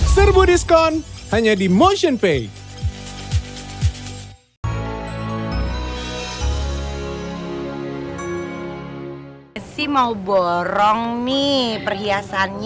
serbu diskon hanya di motionpay